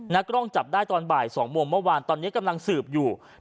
กล้องจับได้ตอนบ่าย๒โมงเมื่อวานตอนนี้กำลังสืบอยู่